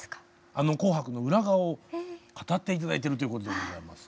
あの「紅白」の裏側を語って頂いてるということでございます。